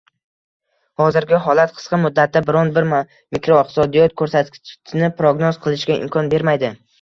Hozirgi holat qisqa muddatda biron bir makroiqtisodiy ko'rsatkichni prognoz qilishga imkon bermaydi